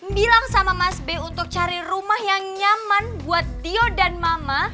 bilang sama mas b untuk cari rumah yang nyaman buat tio dan mama